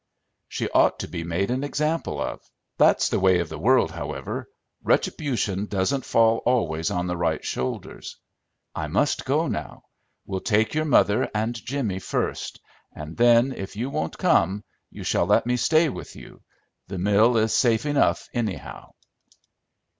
"She ought to be made an example of; that's the way of the world, however, retribution doesn't fall always on the right shoulders. I must go now. We'll take your mother and Jimmy first, and then, if you won't come, you shall let me stay with you. The mill is safe enough, anyhow."